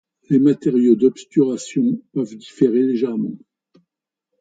Les matériaux d'obturation peuvent différer légèrement.